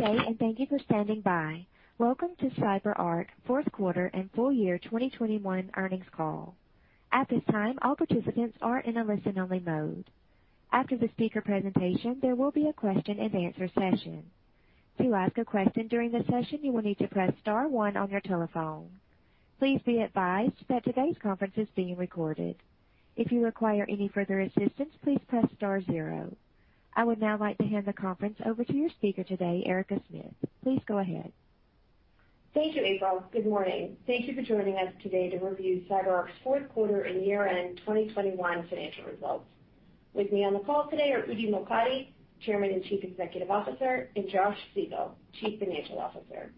Good day, and thank you for standing by. Welcome to CyberArk Fourth Quarter and Full Year 2021 Earnings Call. At this time, all participants are in a listen-only mode. After the speaker presentation, there will be a question-and-answer session. To ask a question during the session, you will need to press star one on your telephone. Please be advised that today's conference is being recorded. If you require any further assistance, please press star zero. I would now like to hand the conference over to your speaker today, Erica Smith. Please go ahead. Thank you, April. Good morning. Thank you for joining us today to review CyberArk's fourth quarter and year-end 2021 financial results. With me on the call today are Udi Mokady, Chairman and Chief Executive Officer, and Josh Siegel, Chief Financial Officer.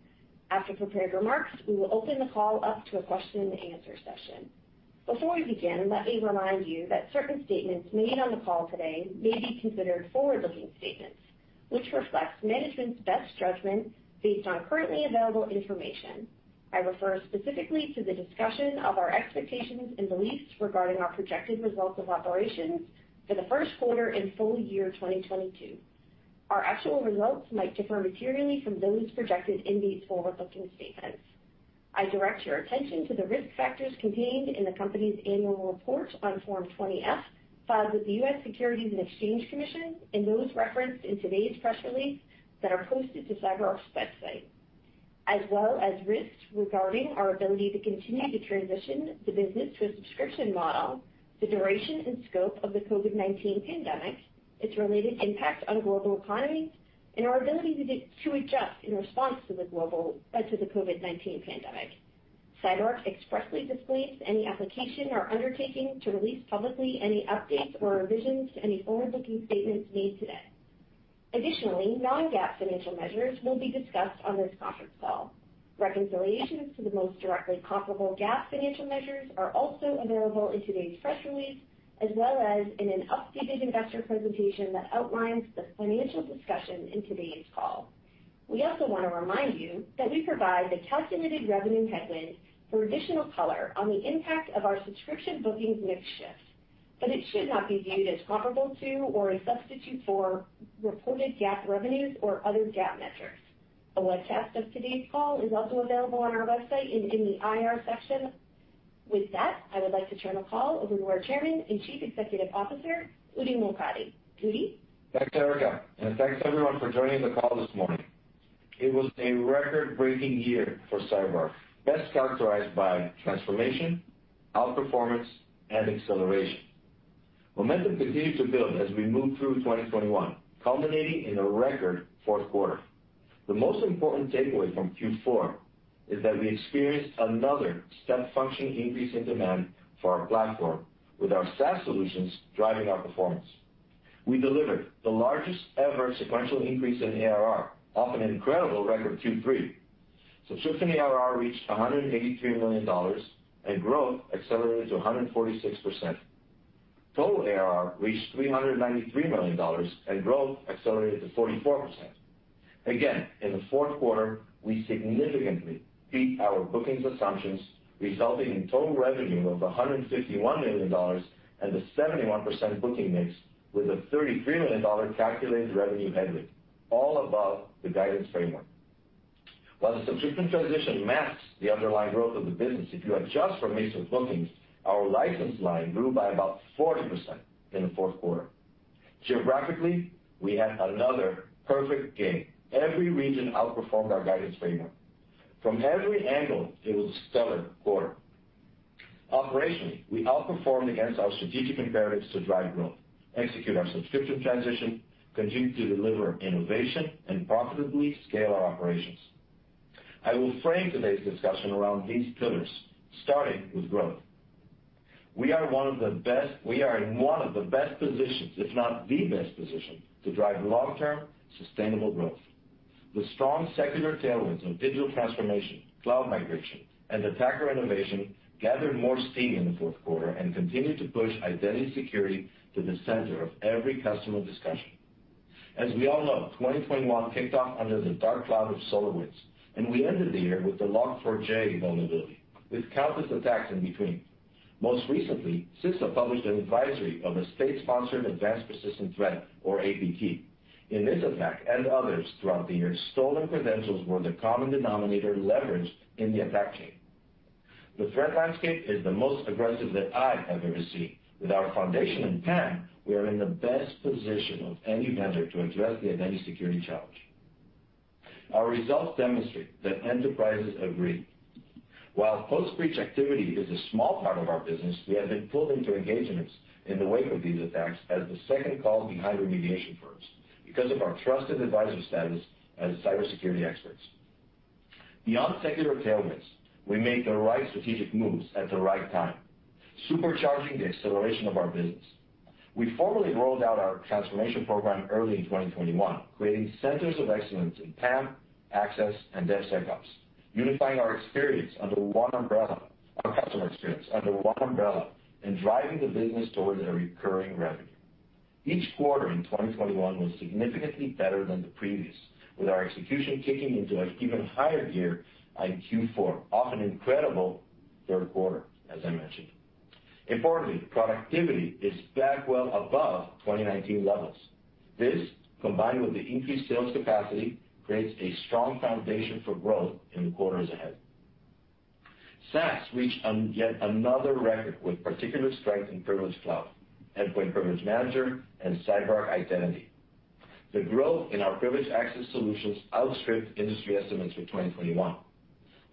After prepared remarks, we will open the call up to a question-and-answer session. Before we begin, let me remind you that certain statements made on the call today may be considered forward-looking statements, which reflects management's best judgment based on currently available information. I refer specifically to the discussion of our expectations and beliefs regarding our projected results of operations for the first quarter and full year 2022. Our actual results might differ materially from those projected in these forward-looking statements. I direct your attention to the risk factors contained in the company's annual report on Form 20-F, filed with the U.S. Securities and Exchange Commission, and those referenced in today's press release that are posted to CyberArk's website. As well as risks regarding our ability to continue to transition the business to a subscription model, the duration and scope of the COVID-19 pandemic, its related impact on global economies, and our ability to adjust in response to the COVID-19 pandemic. CyberArk expressly disclaims any application or undertaking to release publicly any updates or revisions to any forward-looking statements made today. Additionally, non-GAAP financial measures will be discussed on this conference call. Reconciliations to the most directly comparable GAAP financial measures are also available in today's press release, as well as in an updated investor presentation that outlines the financial discussion in today's call. We also wanna remind you that we provide the calculated revenue headwind for additional color on the impact of our subscription bookings mix shift, but it should not be viewed as comparable to or a substitute for reported GAAP revenues or other GAAP metrics. A webcast of today's call is also available on our website in the IR section. With that, I would like to turn the call over to our Chairman and Chief Executive Officer, Udi Mokady. Udi? Thanks, Erica, and thanks everyone for joining the call this morning. It was a record-breaking year for CyberArk, best characterized by transformation, outperformance, and acceleration. Momentum continued to build as we moved through 2021, culminating in a record fourth quarter. The most important takeaway from Q4 is that we experienced another step function increase in demand for our platform, with our SaaS solutions driving our performance. We delivered the largest-ever sequential increase in ARR, off an incredible record Q3. Subscription ARR reached $183 million, and growth accelerated to 146%. Total ARR reached $393 million, and growth accelerated to 44%. Again, in the fourth quarter, we significantly beat our bookings assumptions, resulting in total revenue of $151 million and a 71% booking mix with a $33 million calculated revenue headwind, all above the guidance framework. While the subscription transition masks the underlying growth of the business, if you adjust for mix of bookings, our license line grew by about 40% in the fourth quarter. Geographically, we had another perfect game. Every region outperformed our guidance framework. From every angle, it was a stellar quarter. Operationally, we outperformed against our strategic imperatives to drive growth, execute our subscription transition, continue to deliver innovation, and profitably scale our operations. I will frame today's discussion around these pillars, starting with growth. We are in one of the best positions, if not the best position, to drive long-term sustainable growth. The strong secular tailwinds of digital transformation, cloud migration, and attacker innovation gathered more steam in the fourth quarter and continued to push identity security to the center of every customer discussion. As we all know, 2021 kicked off under the dark cloud of SolarWinds, and we ended the year with the Log4j vulnerability, with countless attacks in between. Most recently, CISA published an advisory of a state-sponsored advanced persistent threat or APT. In this attack and others throughout the year, stolen credentials were the common denominator leveraged in the attack chain. The threat landscape is the most aggressive that I have ever seen. With our foundation in PAM, we are in the best position of any vendor to address the identity security challenge. Our results demonstrate that enterprises agree. While post-breach activity is a small part of our business, we have been pulled into engagements in the wake of these attacks as the second call behind remediation firms because of our trusted advisor status as cybersecurity experts. Beyond secular tailwinds, we made the right strategic moves at the right time, supercharging the acceleration of our business. We formally rolled out our transformation program early in 2021, creating centers of excellence in PAM, access, and DevSecOps, unifying our experience under one umbrella, our customer experience under one umbrella, and driving the business towards a recurring revenue. Each quarter in 2021 was significantly better than the previous, with our execution kicking into an even higher gear in Q4 off an incredible third quarter, as I mentioned. Importantly, productivity is back well above 2019 levels. This, combined with the increased sales capacity, creates a strong foundation for growth in the quarters ahead. SaaS reached yet another record with particular strength in Privileged Cloud, Endpoint Privilege Manager, and CyberArk Identity. The growth in our privileged access solutions outstripped industry estimates for 2021.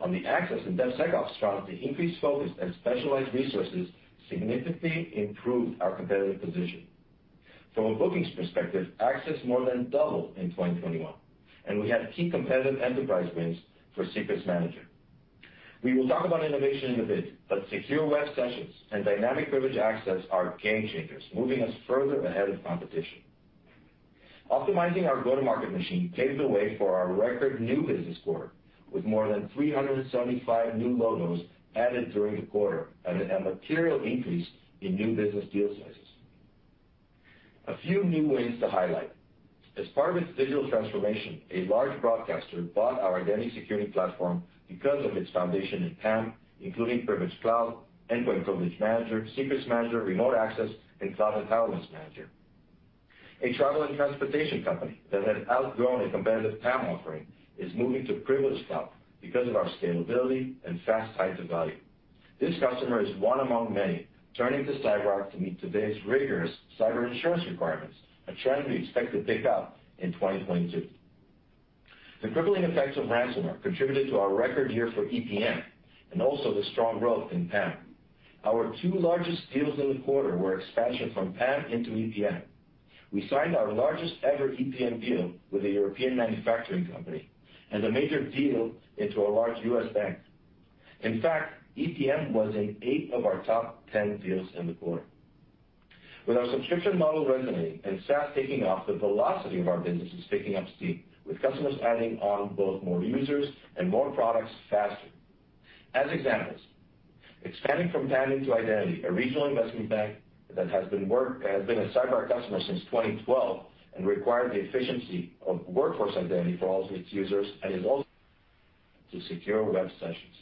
On the access and DevSecOps front, the increased focus and specialized resources significantly improved our competitive position. From a bookings perspective, access more than doubled in 2021, and we had key competitive enterprise wins for Secrets Manager. We will talk about innovation in a bit, but Secure Web Sessions and Dynamic Privileged Access are game changers, moving us further ahead of competition. Optimizing our go-to-market machine paved the way for our record new business quarter, with more than 375 new logos added during the quarter and a material increase in new business deal sizes. A few new wins to highlight. As part of its digital transformation, a large broadcaster bought our identity security platform because of its foundation in PAM, including Privileged Cloud, Endpoint Privilege Manager, Secrets Manager, Remote Access, and Cloud Entitlements Manager. A travel and transportation company that had outgrown a competitive PAM offering is moving to Privileged Cloud because of our scalability and fast time to value. This customer is one among many turning to CyberArk to meet today's rigorous cyber insurance requirements, a trend we expect to pick up in 2022. The crippling effects of ransomware contributed to our record year for EPM and also the strong growth in PAM. Our two largest deals in the quarter were expansion from PAM into EPM. We signed our largest ever EPM deal with a European manufacturing company and a major deal into a large U.S. bank. In fact, EPM was in eight of our top 10 deals in the quarter. With our subscription model resonating and SaaS taking off, the velocity of our business is picking up steam, with customers adding on both more users and more products faster. As examples, expanding from PAM into identity, a regional investment bank that has been a CyberArk customer since 2012 and required the efficiency of Workforce Identity for all of its users and is also to Secure Web Sessions.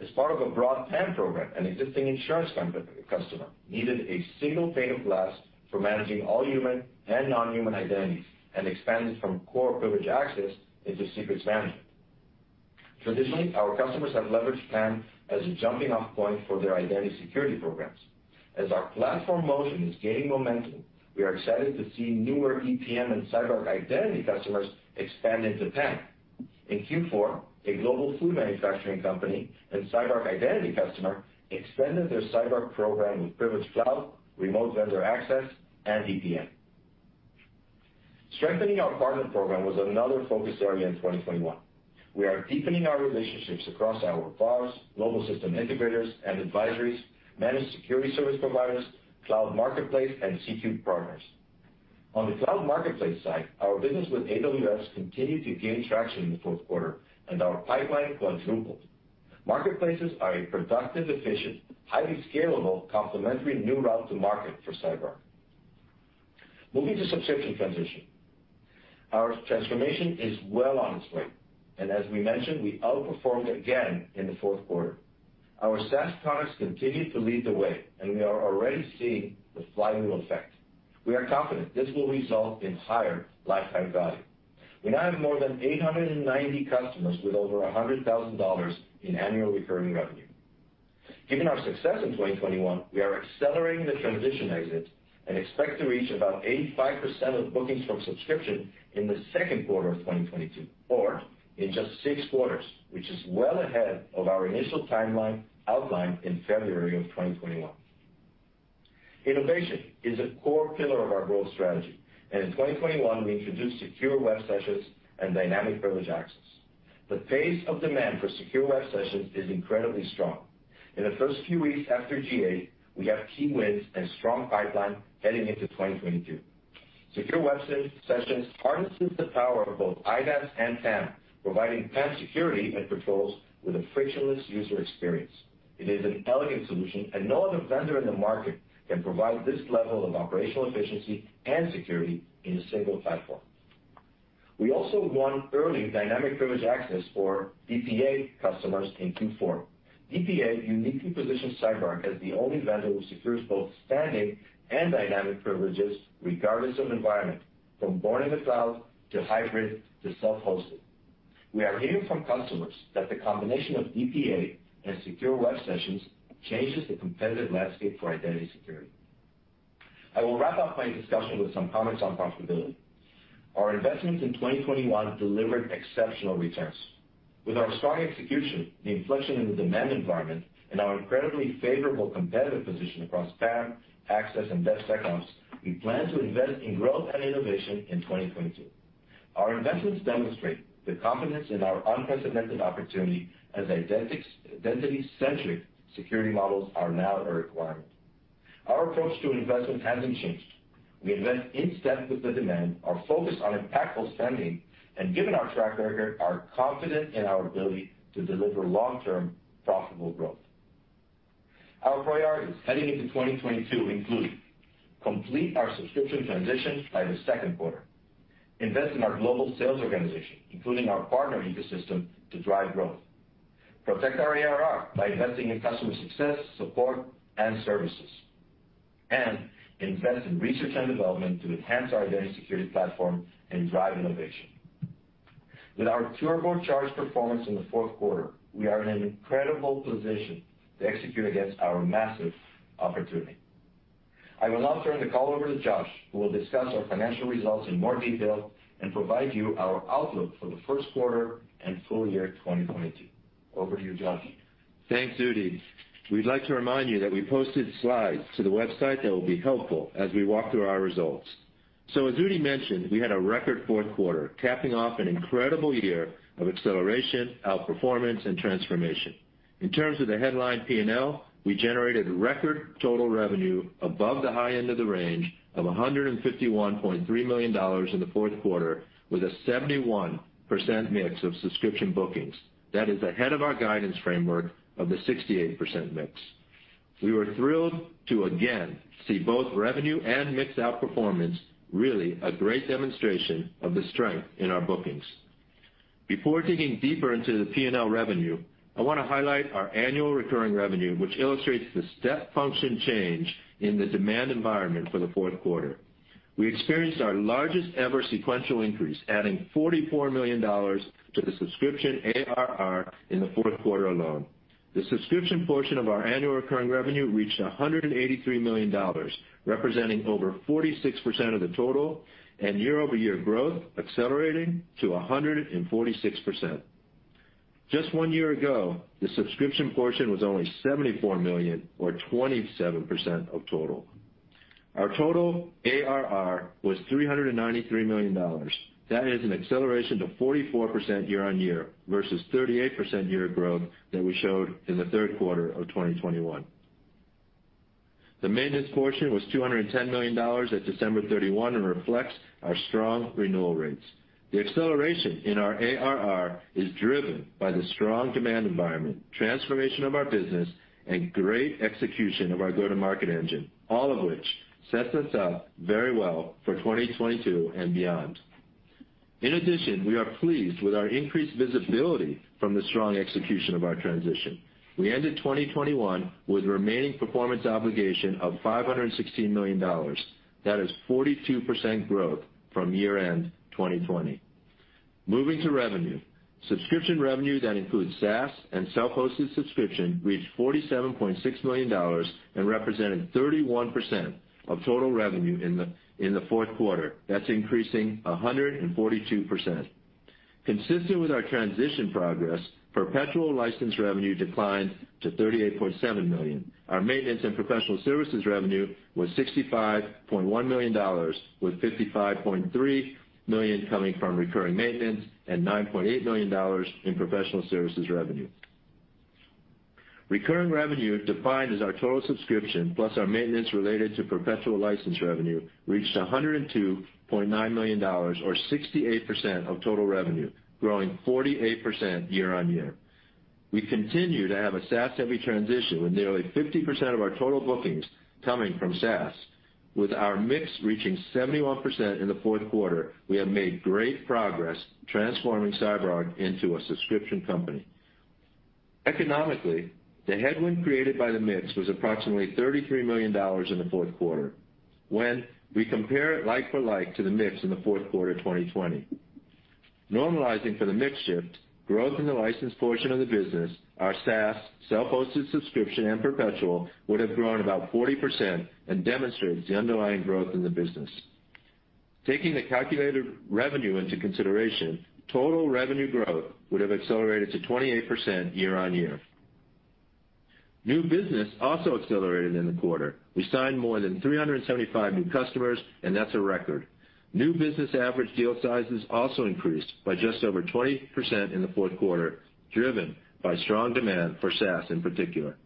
As part of a broad PAM program, an existing insurance company customer needed a single pane of glass for managing all human and non-human identities and expanded from core privileged access into Secrets Management. Traditionally, our customers have leveraged PAM as a jumping-off point for their identity security programs. As our platform motion is gaining momentum, we are excited to see newer EPM and CyberArk Identity customers expand into PAM. In Q4, a global food manufacturing company and CyberArk Identity customer expanded their CyberArk program with Privileged Cloud, Remote Vendor Access, and EPM. Strengthening our partner program was another focus area in 2021. We are deepening our relationships across our VARs, global system integrators and advisories, managed security service providers, cloud marketplace, and C3 partners. On the cloud marketplace side, our business with AWS continued to gain traction in the fourth quarter, and our pipeline quadrupled. Marketplaces are a productive, efficient, highly scalable, complementary new route to market for CyberArk. Moving to subscription transition, our transformation is well on its way, and as we mentioned, we outperformed again in the fourth quarter. Our SaaS products continued to lead the way, and we are already seeing the flywheel effect. We are confident this will result in higher lifetime value. We now have more than 890 customers with over $100,000 in annual recurring revenue. Given our success in 2021, we are accelerating the transition exit and expect to reach about 85% of bookings from subscription in the second quarter of 2022 or in just six quarters, which is well ahead of our initial timeline outlined in February of 2021. Innovation is a core pillar of our growth strategy, and in 2021, we introduced Secure Web Sessions and Dynamic Privileged Access. The pace of demand for Secure Web Sessions is incredibly strong. In the first few weeks after GA, we have key wins and strong pipeline heading into 2022. Secure Web Sessions harnesses the power of both IDaaS and PAM, providing PAM security and controls with a frictionless user experience. It is an elegant solution, and no other vendor in the market can provide this level of operational efficiency and security in a single platform. We also won early Dynamic Privileged Access for DPA customers in Q4. DPA uniquely positions CyberArk as the only vendor who secures both standing and dynamic privileges regardless of environment, from born in the cloud to hybrid to self-hosted. We are hearing from customers that the combination of DPA and Secure Web Sessions changes the competitive landscape for identity security. I will wrap up my discussion with some comments on profitability. Our investments in 2021 delivered exceptional returns. With our strong execution, the inflection in the demand environment, and our incredibly favorable competitive position across PAM, access, and DevSecOps, we plan to invest in growth and innovation in 2022. Our investments demonstrate the confidence in our unprecedented opportunity as identity-centric security models are now a requirement. Our approach to investment hasn't changed. We invest in step with the demand, are focused on impactful spending, and given our track record, are confident in our ability to deliver long-term profitable growth. Our priorities heading into 2022 include completing our subscription transition by the second quarter. Invest in our global sales organization, including our partner ecosystem, to drive growth. Protect our ARR by investing in customer success, support and services, and invest in research and development to enhance our identity security platform and drive innovation. With our turbocharge performance in the fourth quarter, we are in an incredible position to execute against our massive opportunity. I will now turn the call over to Josh, who will discuss our financial results in more detail and provide you our outlook for the first quarter and full year 2022. Over to you, Josh. Thanks, Udi. We'd like to remind you that we posted slides to the website that will be helpful as we walk through our results. As Udi mentioned, we had a record fourth quarter, capping off an incredible year of acceleration, outperformance, and transformation. In terms of the headline P&L, we generated record total revenue above the high end of the range of $151.3 million in the fourth quarter, with a 71% mix of subscription bookings. That is ahead of our guidance framework of the 68% mix. We were thrilled to again see both revenue and mix outperformance really a great demonstration of the strength in our bookings. Before digging deeper into the P&L revenue, I wanna highlight our annual recurring revenue, which illustrates the step function change in the demand environment for the fourth quarter. We experienced our largest ever sequential increase, adding $44 million to the subscription ARR in the fourth quarter alone. The subscription portion of our annual recurring revenue reached $183 million, representing over 46% of the total, and year-over-year growth accelerating to 146%. Just one year ago, the subscription portion was only $74 million or 27% of total. Our total ARR was $393 million. That is an acceleration to 44% year-over-year versus 38% year-over-year growth that we showed in the third quarter of 2021. The maintenance portion was $210 million at December 31 and reflects our strong renewal rates. The acceleration in our ARR is driven by the strong demand environment, transformation of our business, and great execution of our go-to-market engine, all of which sets us up very well for 2022 and beyond. In addition, we are pleased with our increased visibility from the strong execution of our transition. We ended 2021 with remaining performance obligation of $516 million. That is 42% growth from year-end 2020. Moving to revenue. Subscription revenue that includes SaaS and self-hosted subscription reached $47.6 million and represented 31% of total revenue in the fourth quarter. That's increasing 142%. Consistent with our transition progress, perpetual license revenue declined to $38.7 million. Our maintenance and professional services revenue was $65.1 million, with $55.3 million coming from recurring maintenance and $9.8 million in professional services revenue. Recurring revenue, defined as our total subscription plus our maintenance related to perpetual license revenue, reached $102.9 million or 68% of total revenue, growing 48% year-on-year. We continue to have a SaaS-heavy transition, with nearly 50% of our total bookings coming from SaaS. With our mix reaching 71% in the fourth quarter, we have made great progress transforming CyberArk into a subscription company. Economically, the headwind created by the mix was approximately $33 million in the fourth quarter when we compare it like-for-like to the mix in the fourth quarter of 2020. Normalizing for the mix shift, growth in the license portion of the business, our SaaS, self-hosted subscription, and perpetual would have grown about 40% and demonstrates the underlying growth in the business. Taking the calculated revenue into consideration, total revenue growth would have accelerated to 28% year-on-year. New business also accelerated in the quarter. We signed more than 375 new customers, and that's a record. New business average deal sizes also increased by just over 20% in the fourth quarter, driven by strong demand for SaaS in particular.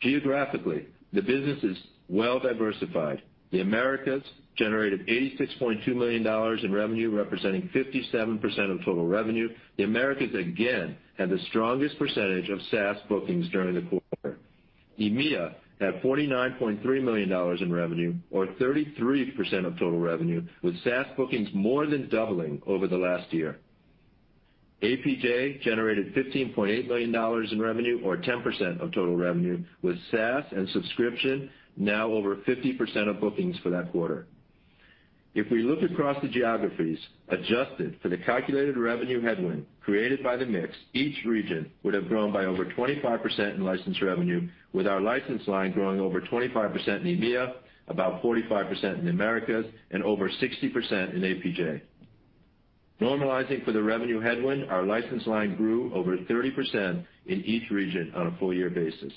Geographically, the business is well-diversified. The Americas generated $86.2 million in revenue, representing 57% of total revenue. The Americas again had the strongest percentage of SaaS bookings during the quarter. EMEA had $49.3 million in revenue, or 33% of total revenue, with SaaS bookings more than doubling over the last year. APJ generated $15.8 million in revenue, or 10% of total revenue, with SaaS and subscription now over 50% of bookings for that quarter. If we look across the geographies adjusted for the calculated revenue headwind created by the mix, each region would have grown by over 25% in licensed revenue, with our license line growing over 25% in EMEA, about 45% in the Americas, and over 60% in APJ. Normalizing for the revenue headwind, our license line grew over 30% in each region on a full year basis.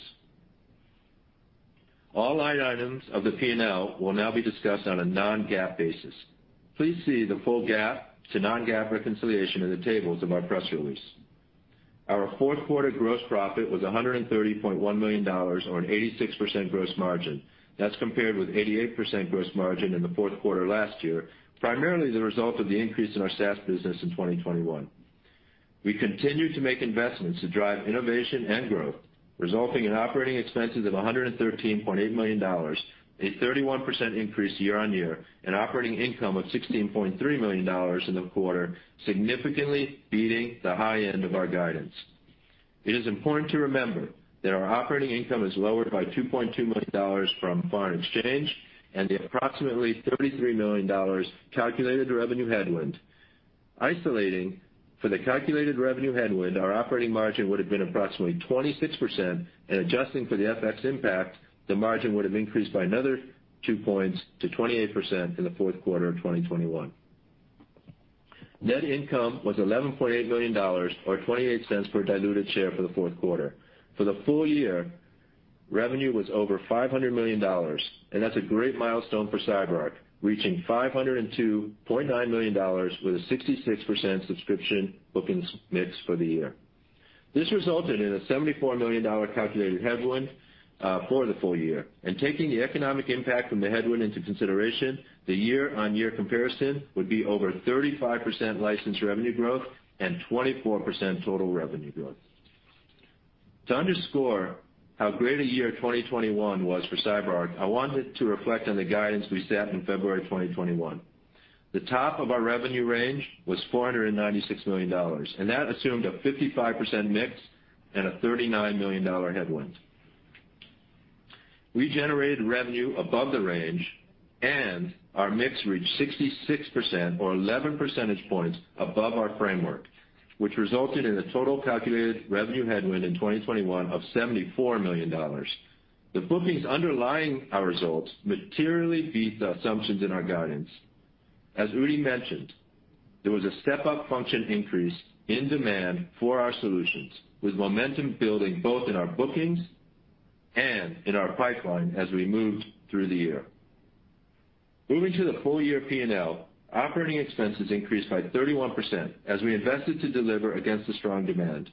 All line items of the P&L will now be discussed on a non-GAAP basis. Please see the full GAAP to non-GAAP reconciliation in the tables of our press release. Our fourth quarter gross profit was $130.1 million, or an 86% gross margin. That's compared with 88% gross margin in the fourth quarter last year, primarily the result of the increase in our SaaS business in 2021. We continue to make investments to drive innovation and growth, resulting in operating expenses of $113.8 million, a 31% increase year-over-year, and operating income of $16.3 million in the quarter, significantly beating the high end of our guidance. It is important to remember that our operating income is lowered by $2.2 million from foreign exchange and the approximately $33 million calculated revenue headwind. Isolating for the calculated revenue headwind, our operating margin would have been approximately 26%. Adjusting for the FX impact, the margin would have increased by another 2 points to 28% in the fourth quarter of 2021. Net income was $11.8 million or 28 cents per diluted share for the fourth quarter. For the full year, revenue was over $500 million, and that's a great milestone for CyberArk, reaching $502.9 million with a 66% subscription bookings mix for the year. This resulted in a $74 million calculated headwind for the full year. Taking the economic impact from the headwind into consideration, the year-on-year comparison would be over 35% licensed revenue growth and 24% total revenue growth. To underscore how great a year 2021 was for CyberArk, I wanted to reflect on the guidance we set in February 2021. The top of our revenue range was $496 million, and that assumed a 55% mix and a $39 million headwind. We generated revenue above the range, and our mix reached 66% or 11 percentage points above our framework, which resulted in a total calculated revenue headwind in 2021 of $74 million. The bookings underlying our results materially beat the assumptions in our guidance. As Udi mentioned, there was a step-up function increase in demand for our solutions, with momentum building both in our bookings and in our pipeline as we moved through the year. Moving to the full year P&L, operating expenses increased by 31% as we invested to deliver against the strong demand.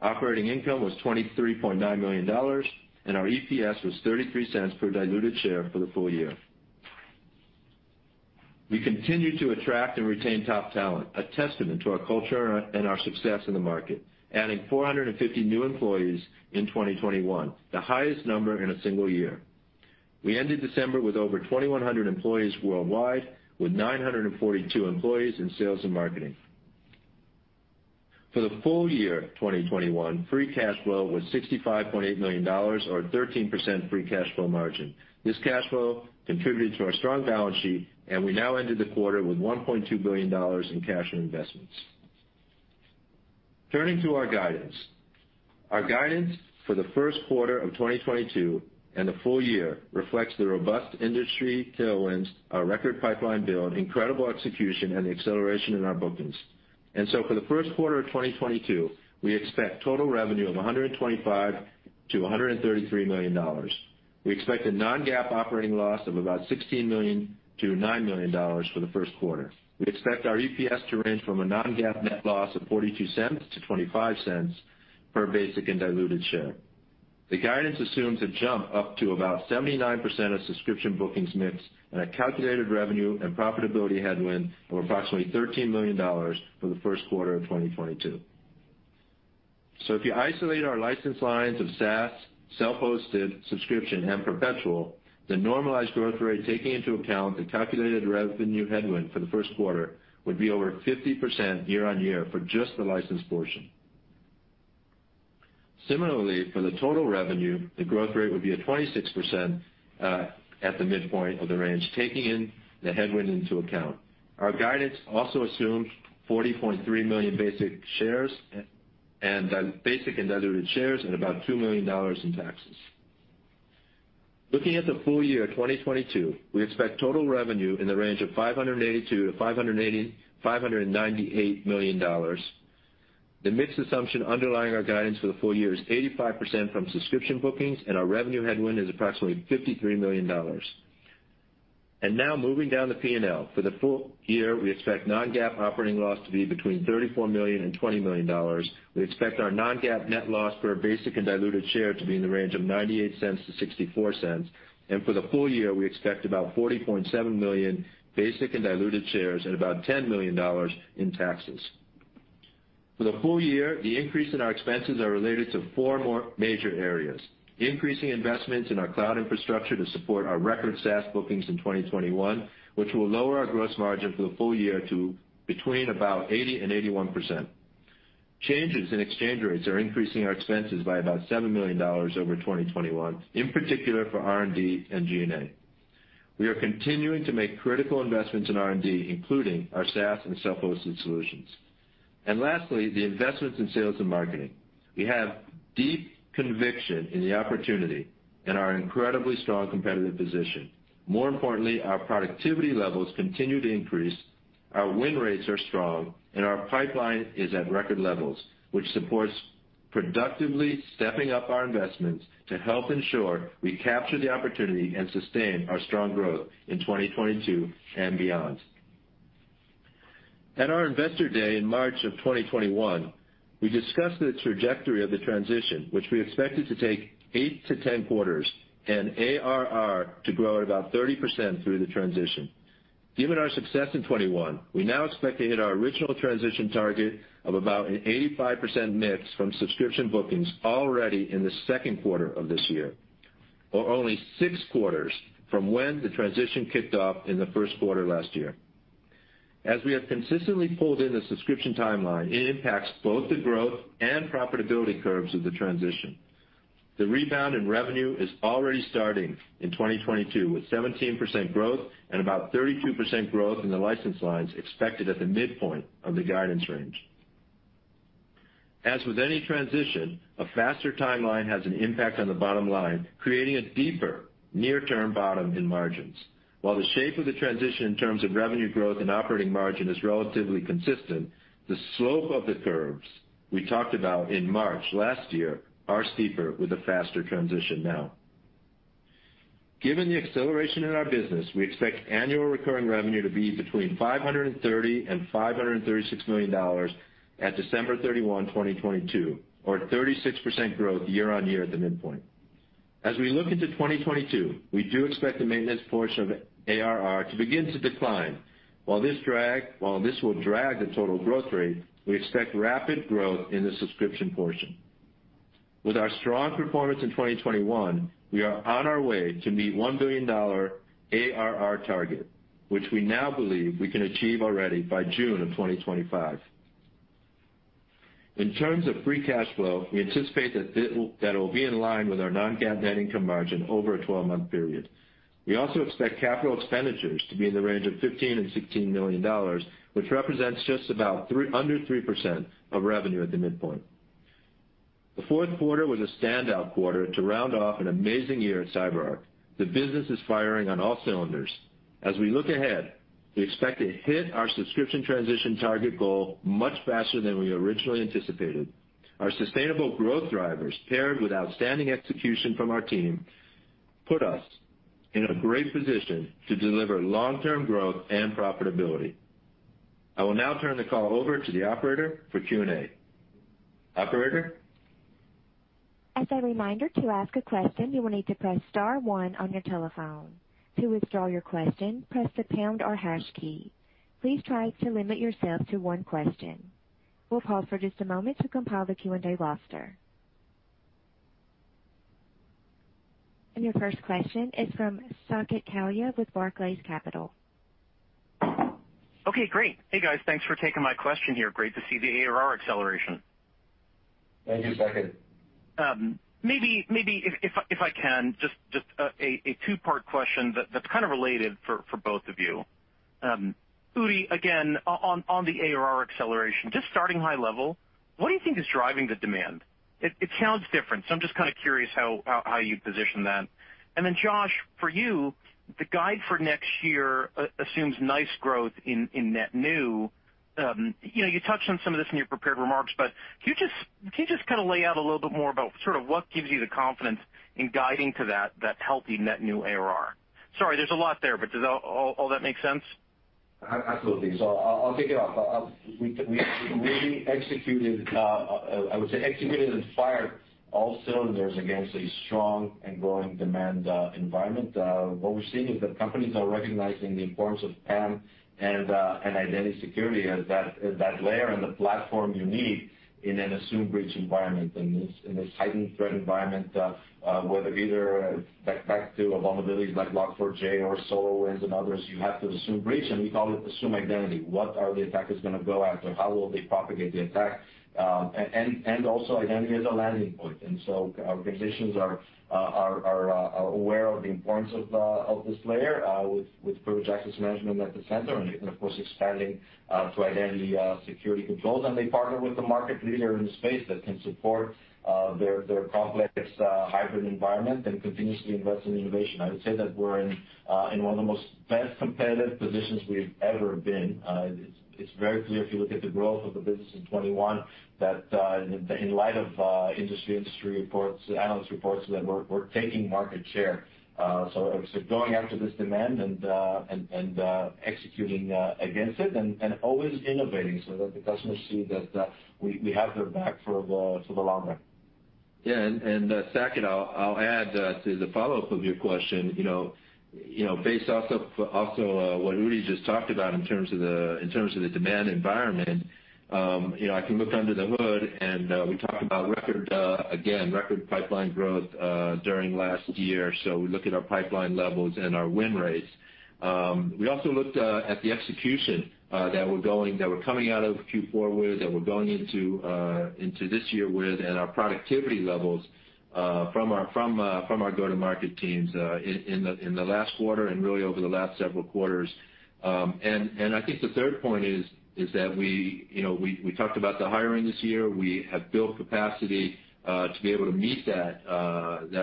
Operating income was $23.9 million, and our EPS was $0.33 per diluted share for the full year. We continue to attract and retain top talent, a testament to our culture and our success in the market, adding 450 new employees in 2021, the highest number in a single year. We ended December with over 2,100 employees worldwide, with 942 employees in sales and marketing. For the full year 2021, free cash flow was $65.8 million or a 13% free cash flow margin. This cash flow contributed to our strong balance sheet, and we now ended the quarter with $1.2 billion in cash and investments. Turning to our guidance. Our guidance for the first quarter of 2022 and the full year reflects the robust industry tailwinds, our record pipeline build, incredible execution, and the acceleration in our bookings. For the first quarter of 2022, we expect total revenue of $125 million-$133 million. We expect a non-GAAP operating loss of about $16 million to $9 million for the first quarter. We expect our EPS to range from a non-GAAP net loss of -$0.42 to -$0.25 per basic and diluted share. The guidance assumes a jump up to about 79% of subscription bookings mix and a calculated revenue and profitability headwind of approximately $13 million for the first quarter of 2022. If you isolate our license lines of SaaS, self-hosted, subscription, and perpetual, the normalized growth rate, taking into account the calculated revenue headwind for the first quarter, would be over 50% year-on-year for just the licensed portion. Similarly, for the total revenue, the growth rate would be at 26% at the midpoint of the range, taking in the headwind into account. Our guidance also assumes 40.3 million basic and diluted shares and about $2 million in taxes. Looking at the full year 2022, we expect total revenue in the range of $582 million-$598 million. The mix assumption underlying our guidance for the full year is 85% from subscription bookings, and our revenue headwind is approximately $53 million. Now moving down the P&L. For the full year, we expect non-GAAP operating loss to be between $34 million and $20 million. We expect our non-GAAP net loss per basic and diluted share to be in the range of $0.98-$0.64. For the full year, we expect about 40.7 million basic and diluted shares and about $10 million in taxes. For the full year, the increase in our expenses are related to four more major areas, increasing investments in our cloud infrastructure to support our record SaaS bookings in 2021, which will lower our gross margin for the full year to between about 80%-81%. Changes in exchange rates are increasing our expenses by about $7 million over 2021, in particular for R&D and G&A. We are continuing to make critical investments in R&D, including our SaaS and self-hosted solutions. Lastly, the investments in sales and marketing. We have deep conviction in the opportunity and our incredibly strong competitive position. More importantly, our productivity levels continue to increase, our win rates are strong, and our pipeline is at record levels, which supports productively stepping up our investments to help ensure we capture the opportunity and sustain our strong growth in 2022 and beyond. At our Investor Day in March of 2021, we discussed the trajectory of the transition, which we expected to take eight-10 quarters and ARR to grow at about 30% through the transition. Given our success in 2021, we now expect to hit our original transition target of about an 85% mix from subscription bookings already in the second quarter of this year, or only six quarters from when the transition kicked off in the first quarter last year. As we have consistently pulled in the subscription timeline, it impacts both the growth and profitability curves of the transition. The rebound in revenue is already starting in 2022, with 17% growth and about 32% growth in the license lines expected at the midpoint of the guidance range. As with any transition, a faster timeline has an impact on the bottom line, creating a deeper near-term bottom in margins. While the shape of the transition in terms of revenue growth and operating margin is relatively consistent, the slope of the curves we talked about in March last year are steeper with a faster transition now. Given the acceleration in our business, we expect annual recurring revenue to be between $530 million and $536 million at December 31, 2022, or 36% growth year-on-year at the midpoint. As we look into 2022, we do expect the maintenance portion of ARR to begin to decline. While this will drag the total growth rate, we expect rapid growth in the subscription portion. With our strong performance in 2021, we are on our way to meet $1 billion ARR target, which we now believe we can achieve already by June of 2025. In terms of free cash flow, we anticipate that it will be in line with our non-GAAP net income margin over a 12-month period. We also expect capital expenditures to be in the range of $15 million-$16 million, which represents just about under 3% of revenue at the midpoint. The fourth quarter was a standout quarter to round off an amazing year at CyberArk. The business is firing on all cylinders. As we look ahead, we expect to hit our subscription transition target goal much faster than we originally anticipated. Our sustainable growth drivers, paired with outstanding execution from our team, put us in a great position to deliver long-term growth and profitability. I will now turn the call over to the operator for Q&A. Operator? As a reminder, to ask a question, you will need to press star one on your telephone. To withdraw your question, press the pound or hash key. Please try to limit yourself to one question. We'll pause for just a moment to compile the Q&A roster. Your first question is from Saket Kalia with Barclays Capital. Okay, great. Hey, guys. Thanks for taking my question here. Great to see the ARR acceleration. Thank you, Saket. Maybe if I can just a two-part question that's kind of related for both of you. Udi, again, on the ARR acceleration, just starting high level, what do you think is driving the demand? It sounds different, so I'm just kinda curious how you'd position that. Josh, for you, the guide for next year assumes nice growth in net new. You know, you touched on some of this in your prepared remarks, but can you just kinda lay out a little bit more about sort of what gives you the confidence in guiding to that healthy net new ARR? Sorry, there's a lot there, but does all that make sense? Absolutely. I'll kick it off. We really executed. I would say executed and fired all cylinders against a strong and growing demand environment. What we're seeing is that companies are recognizing the importance of PAM and identity security as that layer and the platform you need in an assumed breach environment, in this heightened threat environment, whether it's back to vulnerabilities like Log4j or SolarWinds and others. You have to assume breach, and we call it assume identity. What are the attackers gonna go after? How will they propagate the attack? Also identity as a landing point. Our organizations are aware of the importance of this layer with Privileged Access Management at the center and of course expanding to identity security controls. They partner with the market leader in the space that can support their complex hybrid environment and continuously invest in innovation. I would say that we're in one of the most best competitive positions we've ever been. It's very clear if you look at the growth of the business in 2021 that in light of industry reports, analyst reports, that we're taking market share going after this demand and executing against it and always innovating so that the customers see that we have their back for the long run. Yeah. Saket, I'll add to the follow-up of your question. You know, based also on what Udi just talked about in terms of the demand environment, you know, I can look under the hood, and we talked about record pipeline growth during last year. We look at our pipeline levels and our win rates. We also looked at the execution that we're coming out of Q4 with, that we're going into this year with, and our productivity levels from our go-to-market teams in the last quarter and really over the last several quarters. I think the third point is that we, you know, we talked about the hiring this year. We have built capacity to be able to meet that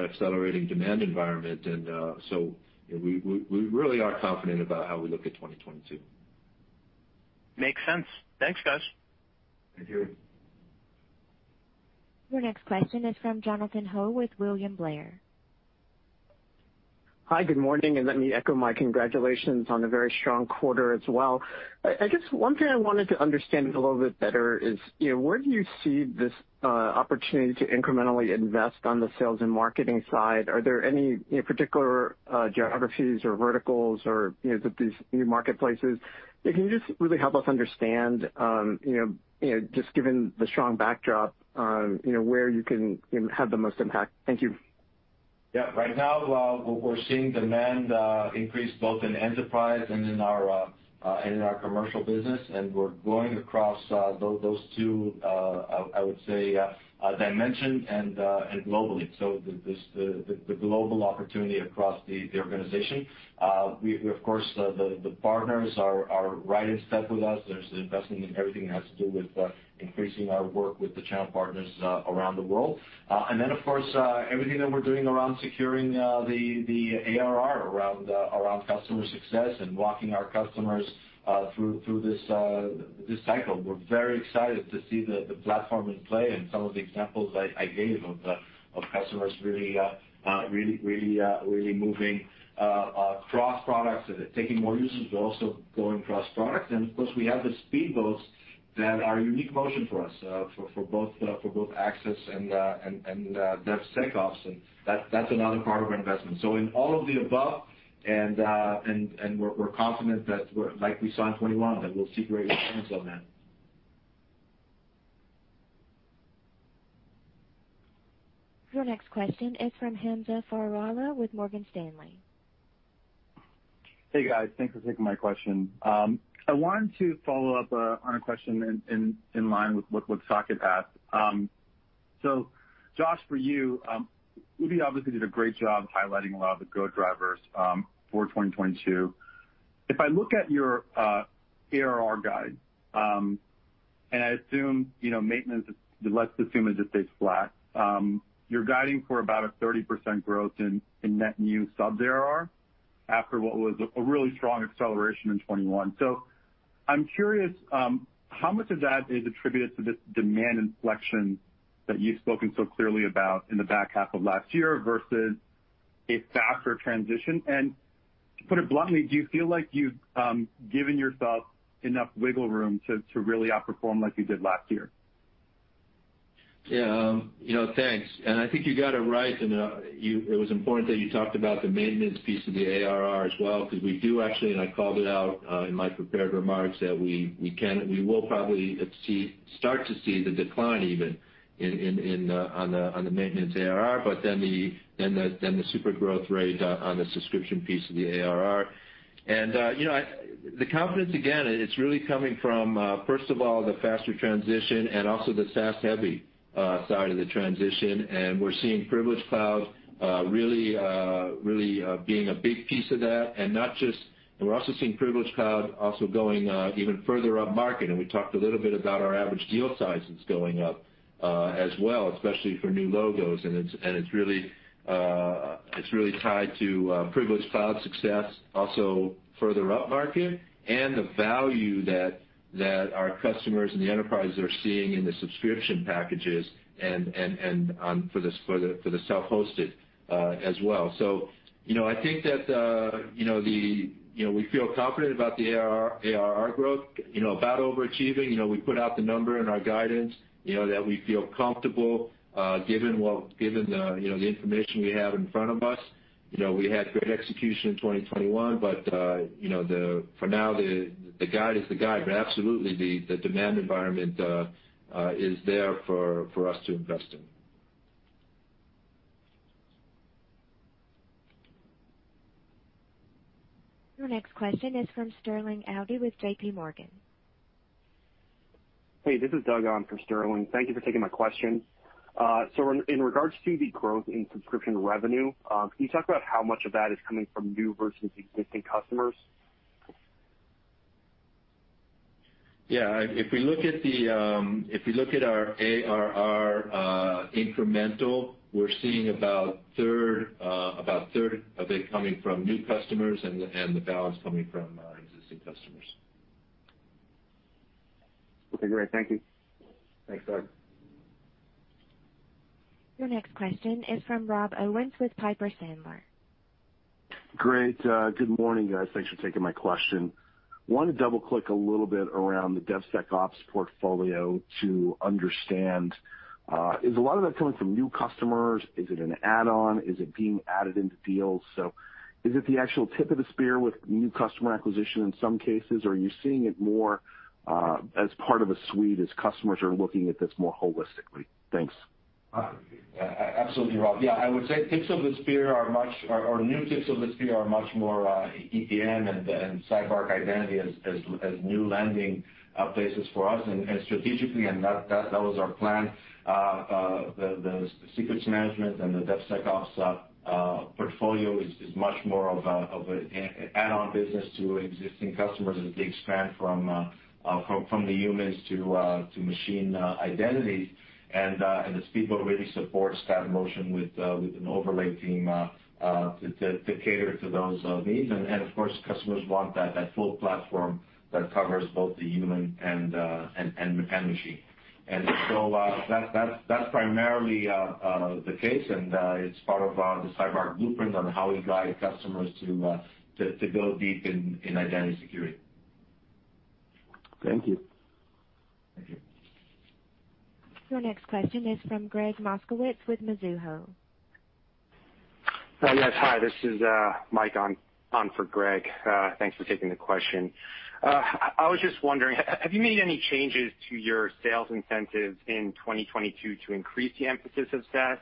accelerating demand environment. We really are confident about how we look at 2022. Makes sense. Thanks, guys. Thank you. Your next question is from Jonathan Ho with William Blair. Hi, good morning, and let me echo my congratulations on a very strong quarter as well. I guess one thing I wanted to understand a little bit better is, you know, where do you see this opportunity to incrementally invest on the sales and marketing side? Are there any particular geographies or verticals or, you know, that these new marketplaces? Can you just really help us understand, you know, just given the strong backdrop on, you know, where you can have the most impact? Thank you. Yeah. Right now, we're seeing demand increase both in enterprise and in our commercial business, and we're growing across those two dimensions and globally, the global opportunity across the organization. Of course, the partners are right in step with us. There's investment in everything that has to do with increasing our work with the channel partners around the world. Of course, everything that we're doing around securing the ARR around customer success and walking our customers through this cycle. We're very excited to see the platform in play and some of the examples I gave of customers really moving cross products, taking more users, but also going cross product. Of course, we have the speed boats that are a unique motion for us, for both access and DevSecOps, and that's another part of our investment. In all of the above, we're confident that we're like we saw in 2021, that we'll see great returns on that. Your next question is from Hamza Fodderwala with Morgan Stanley. Hey, guys. Thanks for taking my question. I wanted to follow-up on a question in line with what Saket asked. Josh, for you, Udi obviously did a great job highlighting a lot of the growth drivers for 2022. If I look at your ARR guide, and I assume, you know, maintenance, let's assume it just stays flat. You're guiding for about 30% growth in net new sub ARR after what was a really strong acceleration in 2021. I'm curious how much of that is attributed to this demand inflection that you've spoken so clearly about in the back half of last year versus a faster transition? To put it bluntly, do you feel like you've given yourself enough wiggle room to really outperform like you did last year? You know, thanks. I think you got it right, and it was important that you talked about the maintenance piece of the ARR as well, because we do actually, and I called it out in my prepared remarks, that we will probably start to see the decline even on the maintenance ARR, but then the super growth rate on the subscription piece of the ARR. You know, the confidence, again, it's really coming from first of all, the faster transition and also the SaaS heavy side of the transition. We're seeing Privileged Cloud really being a big piece of that. And not just, we're also seeing Privileged Cloud also going even further up market. We talked a little bit about our average deal sizes going up, as well, especially for new logos. It's really tied to Privileged Cloud success also further upmarket and the value that our customers and the enterprises are seeing in the subscription packages and on for the self-hosted, as well. You know, I think that we feel confident about the ARR growth, you know, about overachieving. You know, we put out the number in our guidance, you know, that we feel comfortable, given what, given the information we have in front of us. You know, we had great execution in 2021, but, you know, for now, the guide is the guide. Absolutely, the demand environment is there for us to invest in. Your next question is from Sterling Auty with JPMorgan. Hey, this is Doug on for Sterling. Thank you for taking my question. In regards to the growth in subscription revenue, can you talk about how much of that is coming from new versus existing customers? Yeah. If we look at our ARR incremental, we're seeing about 1/3 of it coming from new customers and the balance coming from existing customers. Okay, great. Thank you. Thanks, Doug. Your next question is from Rob Owens with Piper Sandler. Great. Good morning, guys. Thanks for taking my question. Want to double-click a little bit around the DevSecOps portfolio to understand, is a lot of that coming from new customers? Is it an add-on? Is it being added into deals? Is it the actual tip of the spear with new customer acquisition in some cases, or are you seeing it more, as part of a suite as customers are looking at this more holistically? Thanks. Absolutely, Rob. Yeah, I would say new tips of the spear are much more EPM and CyberArk Identity as new landing places for us. Strategically, that was our plan. The Secrets Management and the DevSecOps portfolio is much more of an add-on business to existing customers as they expand from the humans to machine identities. As we really support that motion with an overlay team to cater to those needs. Of course, customers want that full platform that covers both the human and machine. That's primarily the case, and it's part of the CyberArk Blueprint on how we guide customers to go deep in identity security. Thank you. Thank you. Your next question is from Gregg Moskowitz with Mizuho. Yes. Hi, this is Mike on for Greg. Thanks for taking the question. I was just wondering, have you made any changes to your sales incentives in 2022 to increase the emphasis of SaaS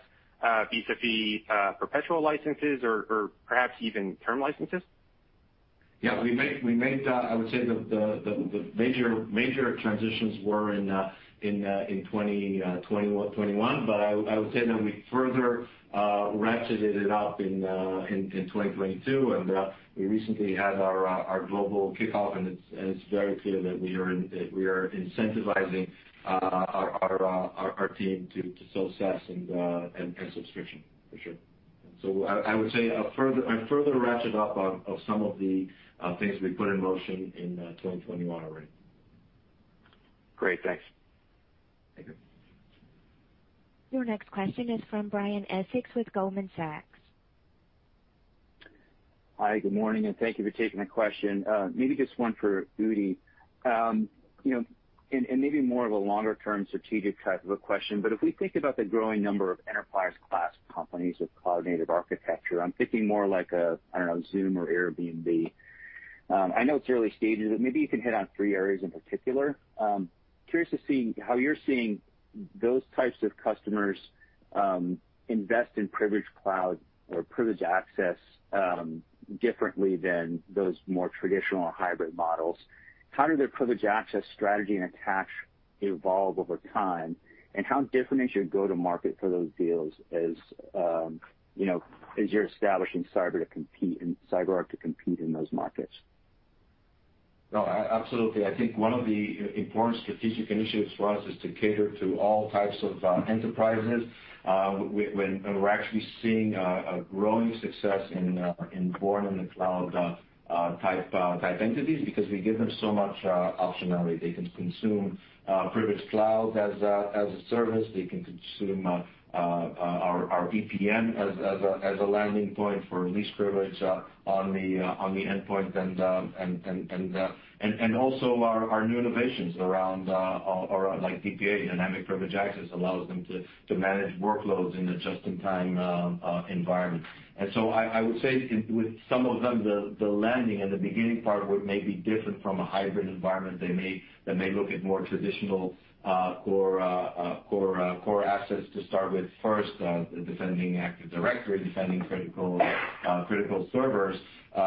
vis-a-vis perpetual licenses or perhaps even term licenses? Yeah, I would say the major transitions were in 2021. I would say that we further ratcheted it up in 2022. We recently had our global kickoff, and it's very clear that we are incentivizing our team to sell SaaS and subscription for sure. I would say a further ratchet up on some of the things we put in motion in 2021 already. Great. Thanks. Thank you. Your next question is from Brian Essex with Goldman Sachs. Hi, good morning, and thank you for taking the question. Maybe just one for Udi. You know, and maybe more of a longer-term strategic type of a question, but if we think about the growing number of enterprise class companies with cloud-native architecture, I'm thinking more like a, I don't know, Zoom or Airbnb. I know it's early stages, but maybe you can hit on three areas in particular. Curious to see how you're seeing those types of customers invest in Privileged Cloud or privileged access differently than those more traditional or hybrid models. How do their privileged access strategy and attach evolve over time? How different is your go to market for those deals as you know, as you're establishing CyberArk to compete in those markets? No, absolutely. I think one of the important strategic initiatives for us is to cater to all types of enterprises, and we're actually seeing a growing success in born-in-the-cloud type entities because we give them so much optionality. They can consume Privileged Cloud as a service. They can consume our EPM as a landing point for least privilege on the endpoint, and also our new innovations around like DPA, Dynamic Privileged Access, allows them to manage workloads in a just-in-time environment. I would say with some of them, the landing and the beginning part would be different from a hybrid environment. They may look at more traditional core assets to start with first, defending Active Directory, defending critical servers. The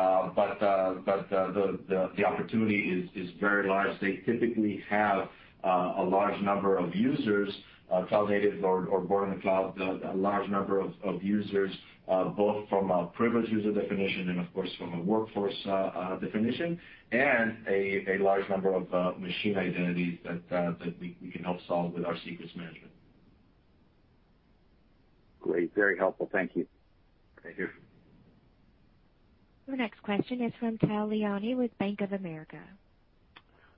opportunity is very large. They typically have a large number of users, cloud native or born in the cloud, a large number of users, both from a privileged user definition and of course from a workforce definition, and a large number of machine identities that we can help solve with our secrets management. Great. Very helpful. Thank you. Thank you. Your next question is from Tal Liani with Bank of America.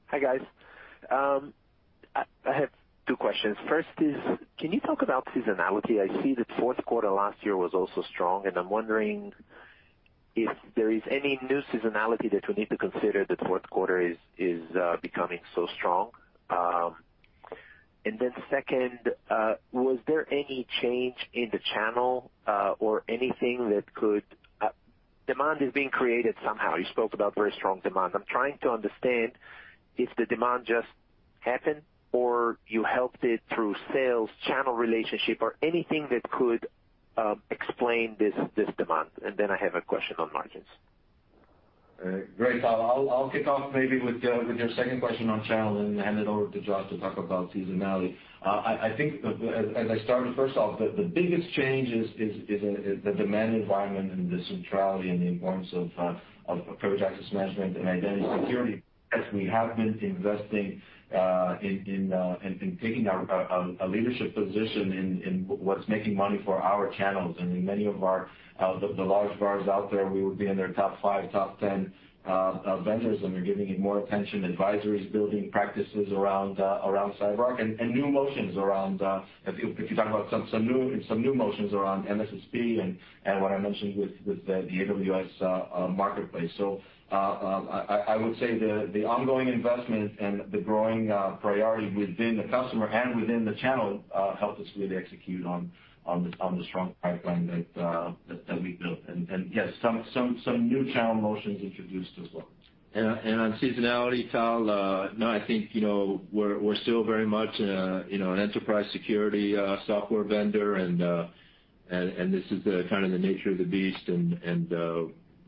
Hi, guys. I have two questions. First is, can you talk about seasonality? I see that fourth quarter last year was also strong, and I'm wondering if there is any new seasonality that we need to consider that fourth quarter is becoming so strong. Second, demand is being created somehow. You spoke about very strong demand. I'm trying to understand if the demand just happened or you helped it through sales channel relationship or anything that could explain this demand. I have a question on margins. All right. Great, Tal. I'll kick off maybe with your second question on channel and hand it over to Josh to talk about seasonality. I think as I started, first off, the biggest change is in the demand environment and the centrality and the importance of Privileged Access Management and identity security. As we have been investing in taking a leadership position in what's making money for our channels. I mean, many of our large VARs out there, we would be in their top five, top 10 vendors, and they're giving it more attention, advisories, building practices around CyberArk. New motions around, if you talk about some new motions around MSSP and what I mentioned with the AWS Marketplace. I would say the ongoing investment and the growing priority within the customer and within the channel helped us really execute on the strong pipeline that we've built. Yes, some new channel motions introduced as well. On seasonality, Tal, no, I think, you know, we're still very much, you know, an enterprise security software vendor. This is kind of the nature of the beast.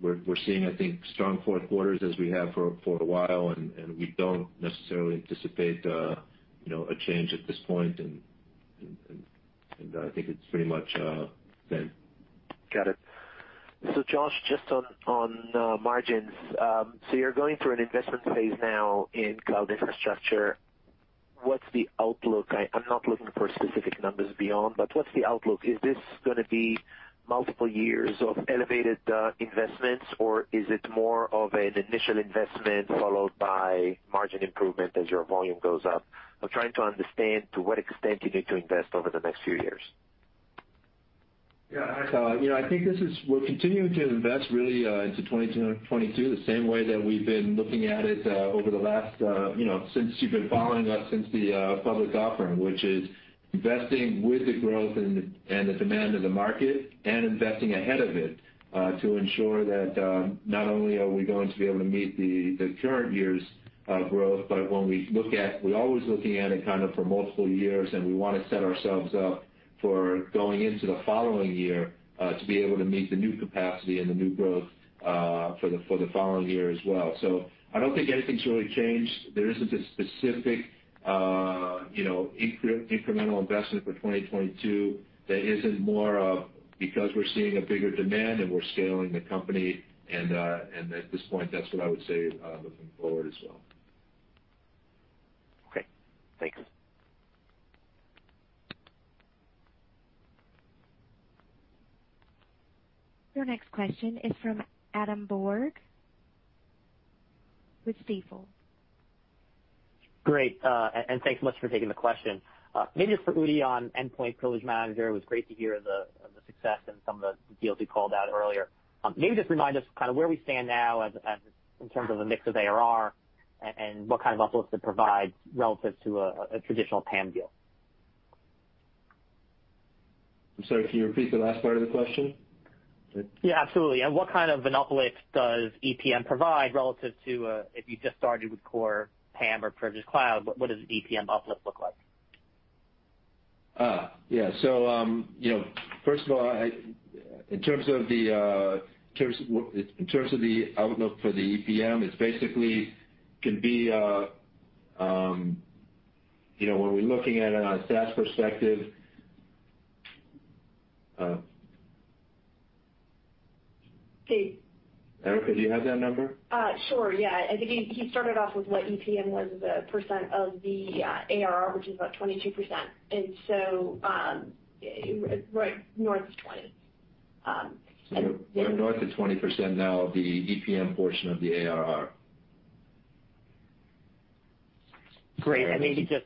We're seeing, I think, strong fourth quarters as we have for a while. We don't necessarily anticipate, you know, a change at this point. I think it's pretty much then. Got it. Josh, just on margins. You're going through an investment phase now in cloud infrastructure. What's the outlook? I'm not looking for specific numbers beyond, but what's the outlook? Is this gonna be multiple years of elevated investments, or is it more of an initial investment followed by margin improvement as your volume goes up? I'm trying to understand to what extent you need to invest over the next few years. Yeah, you know, I think we're continuing to invest really into 2022 the same way that we've been looking at it over the last, you know, since you've been following us since the public offering, which is investing with the growth and the demand of the market and investing ahead of it to ensure that not only are we going to be able to meet the current year's growth, but we're always looking at it kind of for multiple years, and we wanna set ourselves up for going into the following year to be able to meet the new capacity and the new growth for the following year as well. So I don't think anything's really changed. There isn't a specific, you know, incremental investment for 2022 that isn't more of because we're seeing a bigger demand and we're scaling the company. At this point, that's what I would say, looking forward as well. Okay, thanks. Your next question is from Adam Borg with Stifel. Great, thanks so much for taking the question. Maybe just for Udi on Endpoint Privilege Manager, it was great to hear the success and some of the deals you called out earlier. Maybe just remind us kind of where we stand now as in terms of the mix of ARR and what kind of uplift it provides relative to a traditional PAM deal. I'm sorry. Can you repeat the last part of the question? Yeah, absolutely. What kind of an uplift does EPM provide relative to, if you just started with core PAM or Privileged Cloud, what does EPM uplift look like? Yeah. You know, first of all, in terms of the outlook for the EPM, it's basically can be, you know, when we're looking at it on a SaaS perspective, Erica, do you have that number? Sure, yeah. I think he started off with what EPM was as a percent of the ARR, which is about 22%, and so right north of 20. Yeah. We're north of 20% now of the EPM portion of the ARR. Great. And-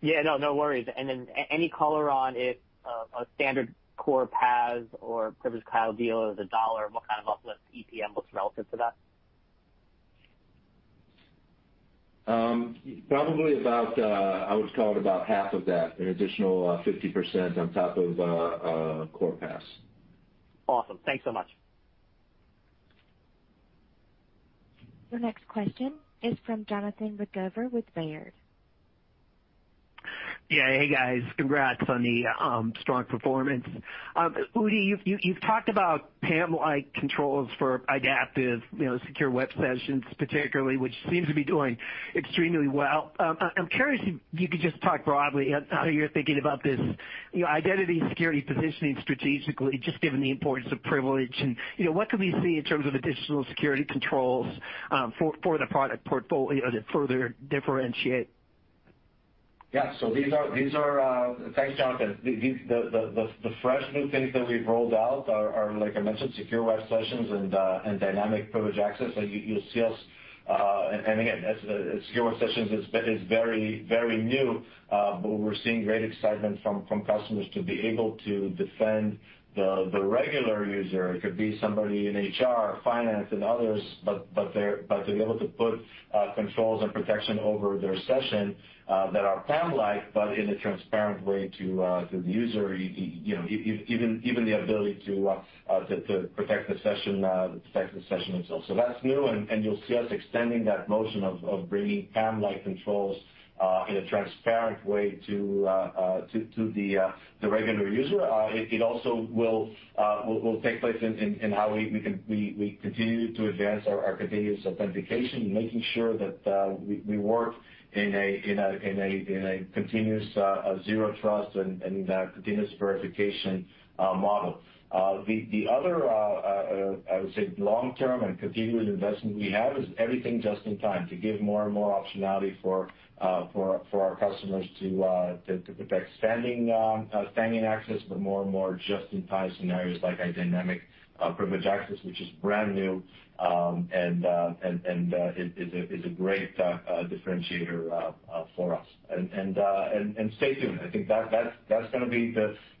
Yeah, no worries. Any color on if a standard core PAS or Privileged Cloud deal is $1, what kind of uplift EPM looks relative to that? Probably about, I would call it about half of that, an additional 50% on top of core PAS. Awesome. Thanks so much. Your next question is from Jonathan Ruykhaver with Baird. Yeah. Hey, guys. Congrats on the strong performance. Udi, you've talked about PAM-like controls for adaptive, you know, Secure Web Sessions particularly, which seems to be doing extremely well. I'm curious if you could just talk broadly how you're thinking about this, you know, identity security positioning strategically, just given the importance of privilege and, you know, what could we see in terms of additional security controls for the product portfolio that further differentiate? Thanks, Jonathan. The fresh new things that we've rolled out are, like I mentioned, Secure Web Sessions and Dynamic Privileged Access. You'll see us, and again, as Secure Web Sessions is very new, but we're seeing great excitement from customers to be able to defend the regular user. It could be somebody in HR, finance, and others, but to be able to put controls and protection over their session that are PAM-like, but in a transparent way to the user, you know, even the ability to protect the session itself. That's new, and you'll see us extending that notion of bringing PAM-like controls in a transparent way to the regular user. It also will take place in how we continue to advance our continuous authentication, making sure that we work in a continuous Zero Trust and continuous verification model. The other long-term and continuous investment we have is everything just-in-time to give more and more optionality for our customers to protect standing access, but more and more just-in-time scenarios like Dynamic Privileged Access, which is brand new, and is a great differentiator for us. Stay tuned. I think that's gonna be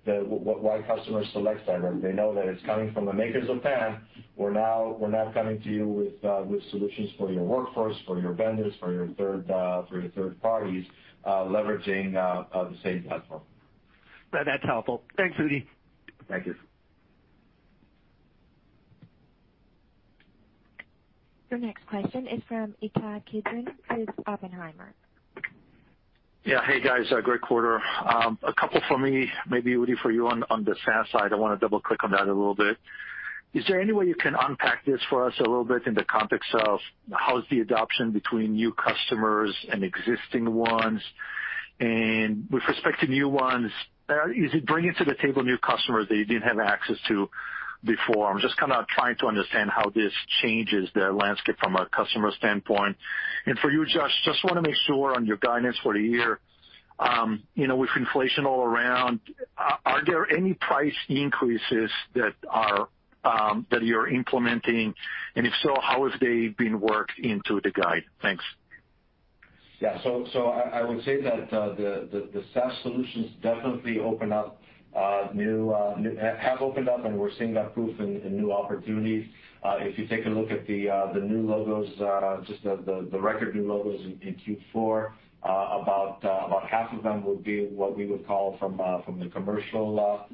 why customers select CyberArk. They know that it's coming from the makers of PAM. We're now coming to you with solutions for your workforce, for your vendors, for your third parties, leveraging the same platform. That's helpful. Thanks, Udi. Thank you. Your next question is from Ittai Kidron with Oppenheimer. Yeah. Hey, guys. Great quarter. A couple for me, maybe, Udi, for you on the SaaS side. I wanna double-click on that a little bit. Is there any way you can unpack this for us a little bit in the context of how's the adoption between new customers and existing ones? With respect to new ones, is it bringing to the table new customers that you didn't have access to before? I'm just kinda trying to understand how this changes the landscape from a customer standpoint. For you, Josh, just wanna make sure on your guidance for the year, you know, with inflation all around, are there any price increases that you're implementing? And if so, how have they been worked into the guide? Thanks. I would say that the SaaS solutions definitely have opened up, and we're seeing that proof in new opportunities. If you take a look at the new logos, just the record new logos in Q4, about half of them would be what we would call from the commercial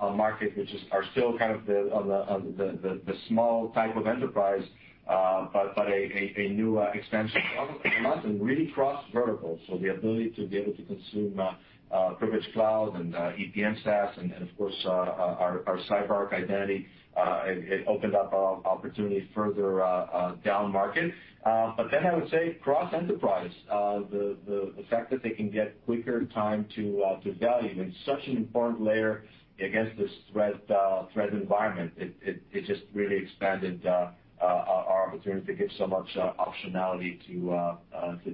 market, which are still kind of the small type of enterprise, but a new expansion for us and really across verticals. The ability to be able to consume Privileged Cloud and EPM SaaS, and of course, our CyberArk Identity, it opened up opportunities further down market. I would say cross enterprise, the fact that they can get quicker time to value in such an important layer against this threat environment, it just really expanded our opportunity to give so much optionality to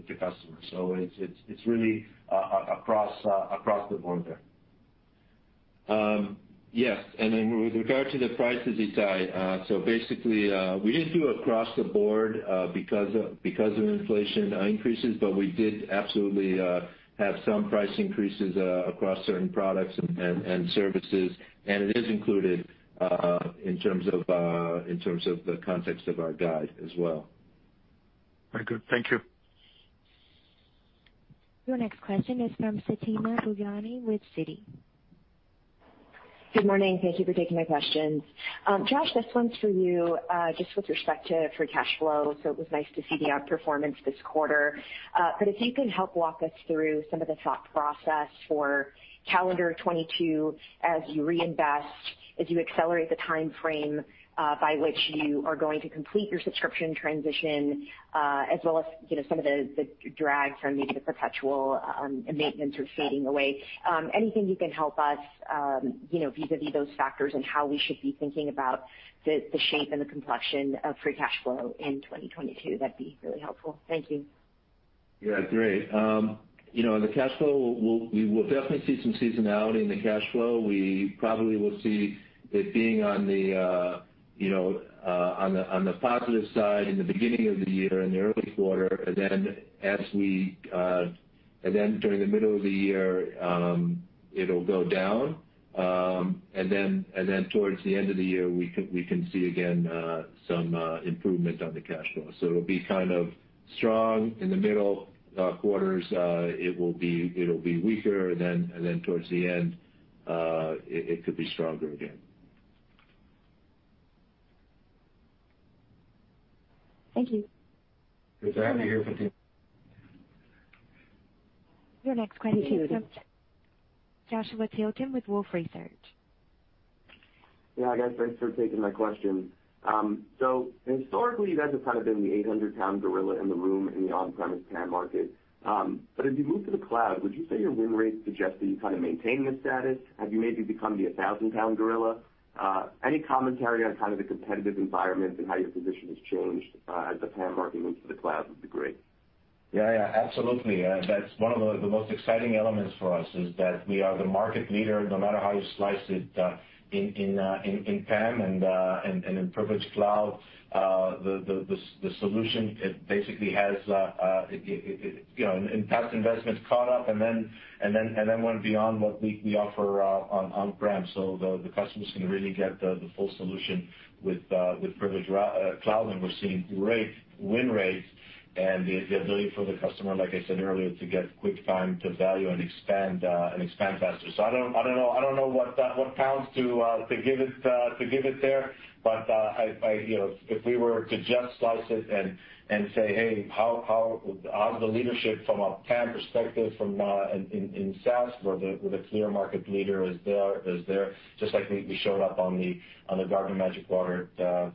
customers. It's really across the board there. Yes, with regard to the prices, Ittai, so basically, we didn't do across the board because of inflation increases, but we did absolutely have some price increases across certain products and services. It is included in terms of the context of our guide as well. Very good. Thank you. Your next question is from Fatima Boolani with Citi. Good morning. Thank you for taking my questions. Josh, this one's for you, just with respect to free cash flow. It was nice to see the outperformance this quarter. If you can help walk us through some of the thought process for calendar 2022 as you reinvest, as you accelerate the timeframe, by which you are going to complete your subscription transition, as well as, you know, some of the drag from maybe the perpetual maintenance are fading away. Anything you can help us, you know, vis-a-vis those factors and how we should be thinking about the shape and the complexion of free cash flow in 2022, that'd be really helpful. Thank you. Yeah. Great. You know, in the cash flow, we will definitely see some seasonality in the cash flow. We probably will see it being on the positive side in the beginning of the year, in the early quarter. During the middle of the year, it'll go down. Towards the end of the year, we can see again some improvement on the cash flow. It'll be kind of strong in the middle quarters. It'll be weaker, and then towards the end, it could be stronger again. Thank you. Good to have you here, Fatima. Your next question Thank you Udi. is from Joshua Tilton with Wolfe Research. Yeah, guys, thanks for taking my question. Historically, you guys have kind of been the 800-pound gorilla in the room in the on-premise PAM market. As you move to the cloud, would you say your win rates suggest that you kind of maintain this status? Have you maybe become the 1,000-pound gorilla? Any commentary on kind of the competitive environment and how your position has changed, as the PAM market moves to the cloud would be great. Yeah, yeah. Absolutely. That's one of the most exciting elements for us is that we are the market leader, no matter how you slice it, in PAM and in Privileged Cloud. The solution, it basically has, you know, in past investments caught up and then went beyond what we offer on-prem. Customers can really get the full solution with Privileged Cloud, and we're seeing great win rates and the ability for the customer, like I said earlier, to get quick time to value and expand faster. I don't know what props to give it there. You know, if we were to just slice it and say, "Hey, how's the leadership from a PAM perspective in SaaS where the clear market leader is there, just like we showed up on the Gartner Magic Quadrant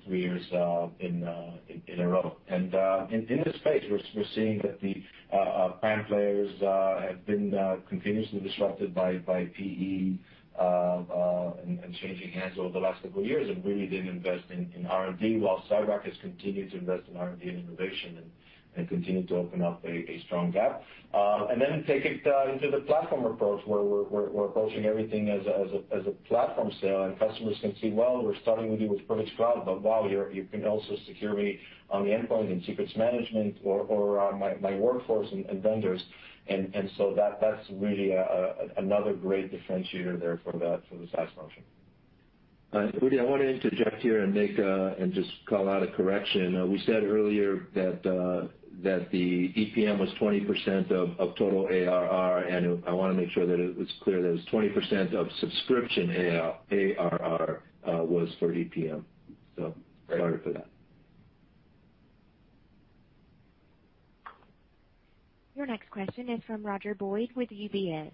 three years in a row. In this space, we're seeing that the PAM players have been continuously disrupted by PE and changing hands over the last couple years and really didn't invest in R&D, while CyberArk has continued to invest in R&D and innovation and continued to open up a strong gap. Take it into the platform approach where we're approaching everything as a platform sale, and customers can see, well, we're starting with you with Privileged Cloud, but wow, you can also secure me on the endpoint, in Secrets Management or on my workforce and vendors. So that's really another great differentiator there for the SaaS function. Udi, I want to interject here and just call out a correction. We said earlier that the EPM was 20% of total ARR, and I want to make sure that it was clear that it was 20% of subscription ARR was for EPM. Sorry for that. Your next question is from Roger Boyd with UBS.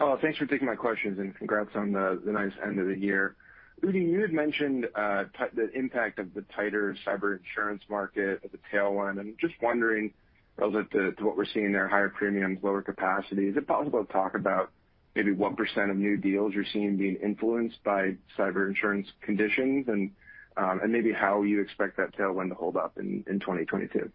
Oh, thanks for taking my questions, and congrats on the nice end of the year. Udi, you had mentioned the impact of the tighter cyber insurance market at the tail end. I'm just wondering relative to what we're seeing there, higher premiums, lower capacity. Is it possible to talk about maybe what % of new deals you're seeing being influenced by cyber insurance conditions and maybe how you expect that tailwind to hold up in 2022?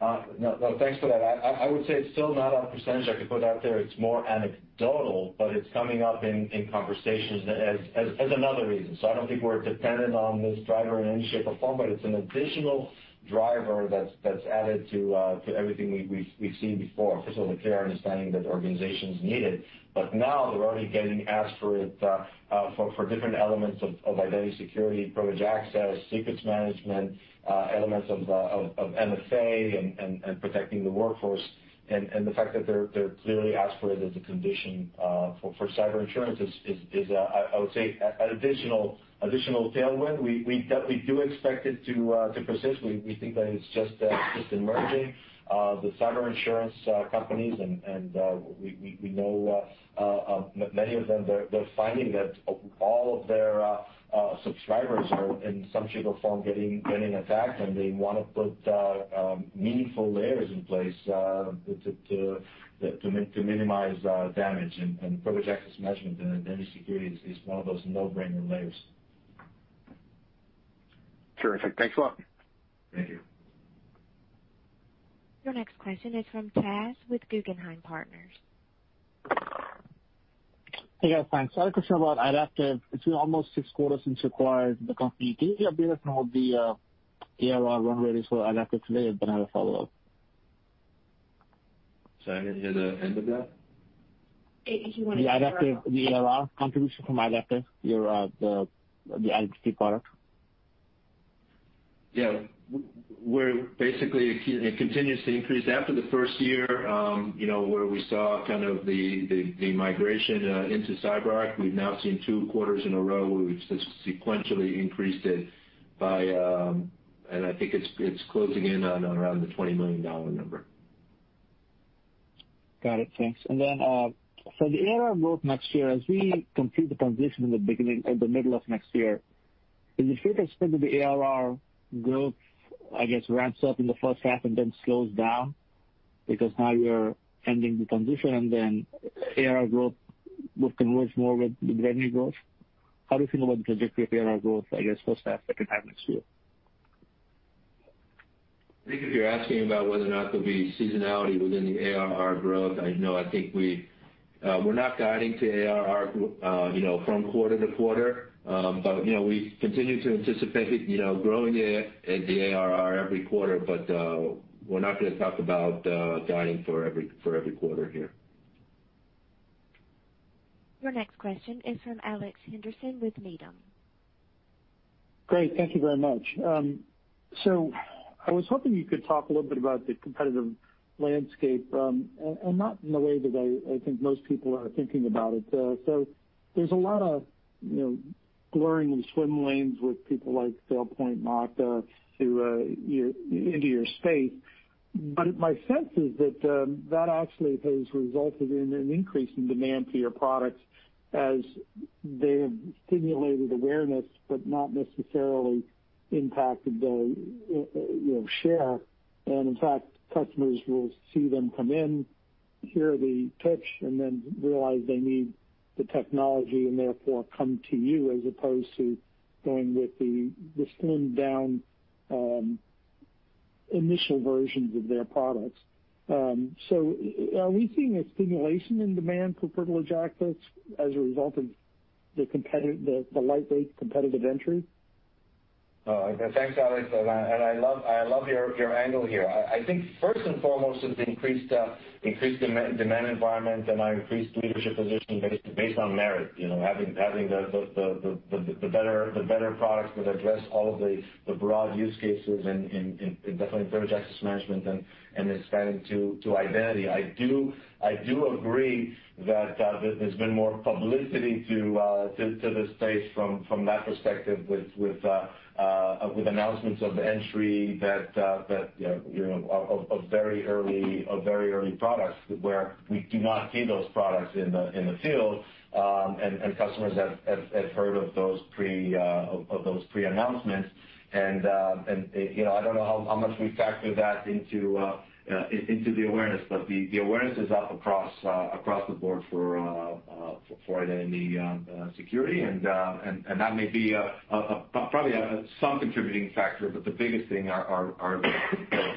No, no, thanks for that. I would say it's still not a percentage I could put out there. It's more anecdotal, but it's coming up in conversations as another reason. I don't think we're dependent on this driver in any shape or form, but it's an additional driver that's added to everything we've seen before. First of all, the clear understanding that organizations need it, but now they're already getting asked for it for different elements of identity security, Privileged Access, Secrets Management, elements of MFA and protecting the workforce. The fact that they're clearly asked for it as a condition for cyber insurance is, I would say, an additional tailwind. We do expect it to persist. We think that it's just emerging. The cyber insurance companies and we know many of them, they're finding that all of their subscribers are in some shape or form getting attacked, and they wanna put meaningful layers in place to minimize damage. Privileged Access Management and identity security is one of those no-brainer layers. Terrific. Thanks a lot. Thank you. Your next question is from Imtiaz with Guggenheim Partners. Hey, guys. Fine. I had a question about Idaptive. It's been almost six quarters since you acquired the company. Do you have the ability to hold the ARR run rate for Idaptive today? I have a follow-up. Sorry, I didn't hear the end of that. He wanted. The Idaptive, the ARR contribution from Idaptive, your, the identity product. Yeah. Basically It continues to increase. After the first year, where we saw the migration into CyberArk, we've now seen two quarters in a row where we've sequentially increased it by. I think it's closing in on around $20 million number. Got it. Thanks. And then, for the ARR growth next year, as we complete the transition in the middle of next year, is the free cash flow or the ARR growth, I guess, ramps up in the first half and then slows down because now we are ending the transition and then ARR growth will converge more with the revenue growth. How do you feel about the trajectory of the ARR growth, I guess, first half, second half next year? I think if you're asking about whether or not there'll be seasonality within the ARR growth, I think we're not guiding to ARR, you know, from quarter to quarter. You know, we continue to anticipate, you know, growing the ARR every quarter, but we're not gonna talk about guiding for every quarter here. Your next question is from Alex Henderson with Needham. Great. Thank you very much. I was hoping you could talk a little bit about the competitive landscape and not in the way that I think most people are thinking about it. There's a lot of blurring of swim lanes with people like SailPoint, Okta into your space. My sense is that that actually has resulted in an increase in demand for your products as they have stimulated awareness but not necessarily impacted the share. In fact, customers will see them come in, hear the pitch, and then realize they need the technology and therefore come to you as opposed to going with the slimmed down initial versions of their products. Are we seeing a stimulation in demand for Privileged Access as a result of the lightweight competitive entry? Thanks, Alex. I love your angle here. I think first and foremost is the increased demand environment and our increased leadership position based on merit. You know, having the better products that address all of the broad use cases in identity, definitely Privileged Access Management and expanding to identity. I do agree that there's been more publicity to the space from that perspective with announcements of entry that you know of very early products where we do not see those products in the field. Customers have heard of those pre-announcements. I don't know how much we factor that into the awareness, but the awareness is up across the board for identity security. That may be a probable contributing factor, but the biggest thing are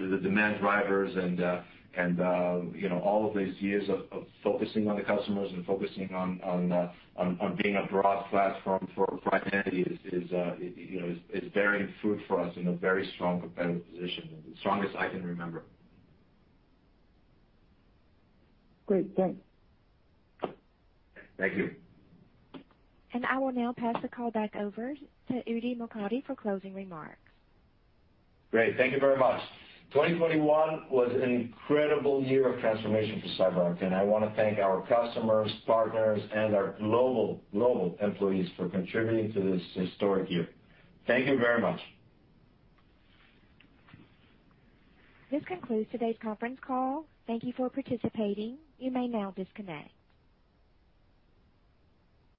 the demand drivers and you know all of these years of focusing on the customers and focusing on being a broad platform for identity is bearing fruit for us in a very strong competitive position, the strongest I can remember. Great. Thanks. Thank you. I will now pass the call back over to Udi Mokady for closing remarks. Great. Thank you very much. 2021 was an incredible year of transformation for CyberArk, and I wanna thank our customers, partners, and our global employees for contributing to this historic year. Thank you very much. This concludes today's conference call. Thank you for participating. You may now disconnect.